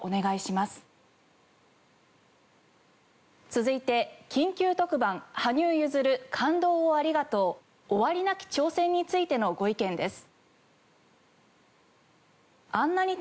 続いて『緊急特番羽生結弦感動をありがとう終わりなき挑戦』についてのご意見です。